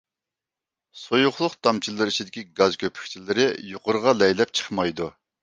سۇيۇقلۇق تامچىلىرى ئىچىدىكى گاز كۆپۈكچىلىرى يۇقىرىغا لەيلەپ چىقمايدۇ.